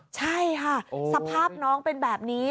ใช่ค่ะสภาพน้องเป็นแบบนี้